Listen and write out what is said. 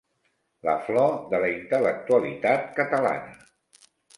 La flor de la intel·lectualitat catalana.